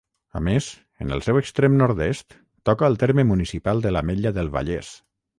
A més, en el seu extrem nord-est toca el terme municipal de l'Ametlla del Vallès.